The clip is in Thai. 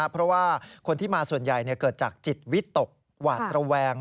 เพราะว่าคนที่มาส่วนใหญ่เกิดจากจิตวิตกหวาดระแวง